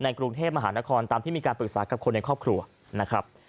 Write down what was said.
กรุงเทพมหานครตามที่มีการปรึกษากับคนในครอบครัวนะครับ